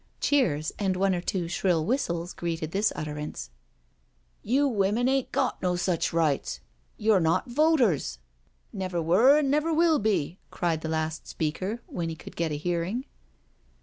Cheers and one or two shrill whistles greeted this utterance. You women ain't got no such rights — you're not voters I never were and never will be I" cried the last speaker when he could get a hearing.